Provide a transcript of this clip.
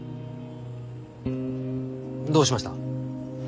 どうしました？